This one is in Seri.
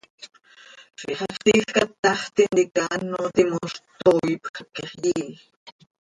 Ziix hacx tiij catax tintica áno timoz, tooipj, haquix yiij.